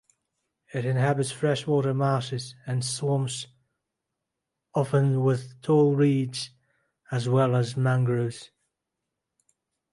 It inhabits freshwater marshes and swamps, often with tall reeds, as well as mangroves.